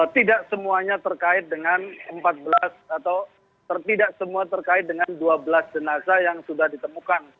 tidak semuanya terkait dengan empat belas atau tidak semua terkait dengan dua belas jenazah yang sudah ditemukan